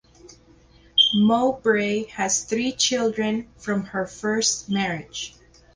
Mowbray has three children from her first marriage.